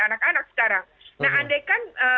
anak anak sekarang nah andai kan